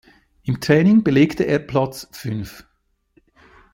Im Training belegte er Platz fünf.